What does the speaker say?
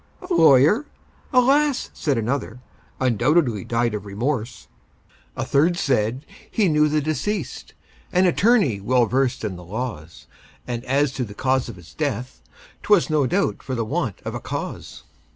"A lawyer? Alas!" said another, "Undoubtedly died of remorse!" A third said, "He knew the deceased, An attorney well versed in the laws, And as to the cause of his death, 'Twas no doubt for the want of a cause."